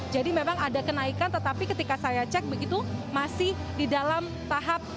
jadi memang ada kenaikan tetapi ketika saya cek begitu masih di dalam tahap